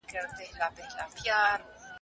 د علتونو پېژندل ډېر مهم دي.